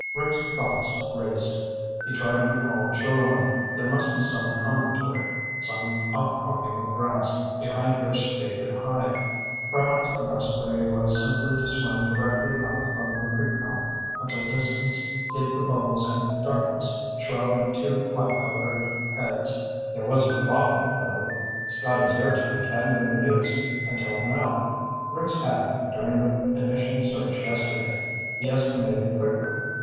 Rick's thoughts raced. He tried to recall the shoreline. There must be some promontory, some outcropping of grass, behind which they could hide. Perhaps the best way was simply to swim directly out from the creek mouth until distance hid the bubbles and darkness shrouded two black covered heads. There was a problem, though. Scotty's air tank hadn't been used until now. Rick's had, during the initial search yesterday. He estimated quickly.